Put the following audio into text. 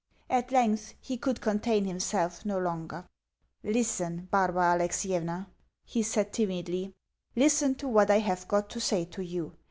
At length he could contain himself no longer. "Listen, Barbara Alexievna," he said timidly. "Listen to what I have got to say to you.